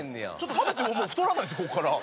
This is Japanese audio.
食べてももう太らないんですここから。